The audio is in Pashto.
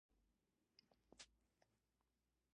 آیا جعلي ډالر په بازار کې شته؟